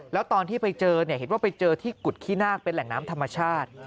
แล้วตอนที่ไปเจอเนี่ยเห็นว่าไปเจอที่กุฎขี้นาคเป็นแหล่งน้ำธรรมชาติ